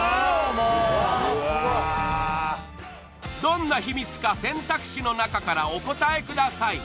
もうどんな秘密か選択肢の中からお答えください